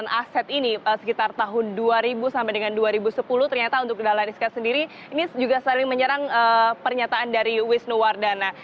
dan setelah set ini sekitar tahun dua ribu sampai dengan dua ribu sepuluh ternyata untuk dahlan iskan sendiri ini juga saling menyerang pernyataan dari wisnu wardana